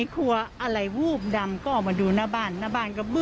เอาอะไรออกมาด้วยครับครับ